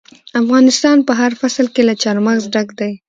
افغانستان په هر فصل کې له چار مغز ډک دی.